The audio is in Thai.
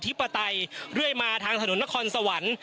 อธิปัตยโดยมาทางถนนนครสวรรค์